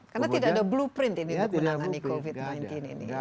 karena tidak ada blueprint ini untuk menggunakan covid sembilan belas ini